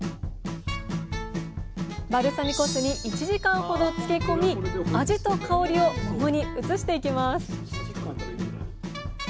バルサミコ酢に１時間ほど漬け込み味と香りを桃に移していきます